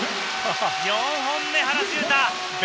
４本目、原修太！